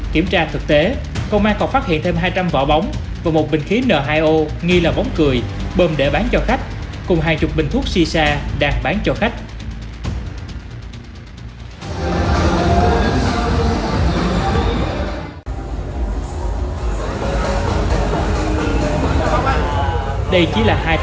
kiểm tra thực tế công an còn phát hiện thêm hai trăm linh vỏ bóng và một bình khí n hai o nghi là bóng cười bơm để bán cho khách cùng hai mươi bình thuốc xì xa đang bán cho khách